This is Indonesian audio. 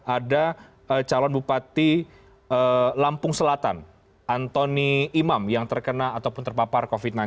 ada calon bupati lampung selatan antoni imam yang terkena ataupun terpapar covid sembilan belas